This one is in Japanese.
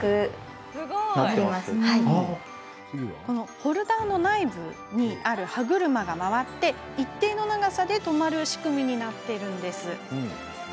ホルダーの内部にある歯車が回り一定の長さで止まる仕組みになっているんです。